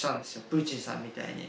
プーチンさんみたいに。